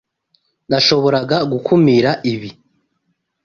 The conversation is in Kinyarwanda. Nashoboraga gukumira ibi.